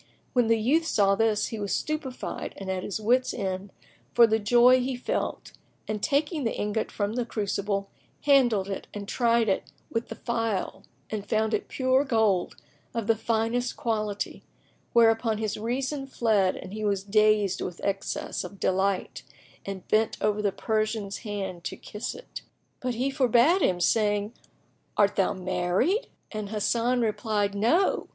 [FN#15] When the youth saw this, he was stupefied and at his wits' end for the joy he felt and taking the ingot from the crucible handled it and tried it with the file and found it pure gold of the finest quality: whereupon his reason fled and he was dazed with excess of delight and bent over the Persian's hand to kiss it. But he forbade him, saying, "Art thou married?" and when the youth replied "No!"